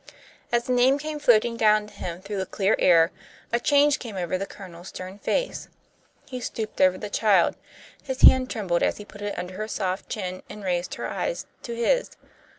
As the name came floating down to him through the clear air, a change came over the Colonel's stern face. He stooped over the child. His hand trembled as he put it under her soft chin and raised her eyes to his.